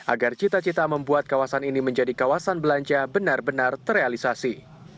agar cita cita membuat kawasan ini menjadi kawasan belanja benar benar terrealisasi